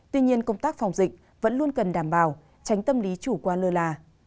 tuy nhiên công tác phòng dịch vẫn luôn cần đảm bảo tránh tâm lý chủ quan lơ là